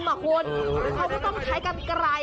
คุณเขาก็ต้องใช้กันไกล